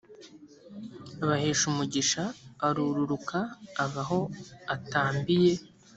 abahesha umugisha arururuka ava aho atambiye